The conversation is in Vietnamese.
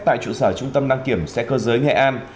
tại trụ sở trung tâm đăng kiểm xe cơ giới nghệ an